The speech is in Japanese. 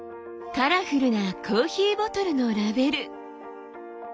カラフルなコーヒーボトルのラベル。